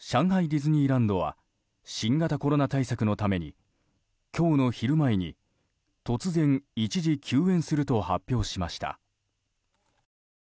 ディズニーランドは新型コロナ対策のために今日の昼前に突然、一時休園すると発表しました。